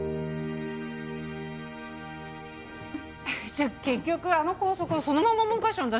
じゃあ結局あの校則そのまま文科省に出したの？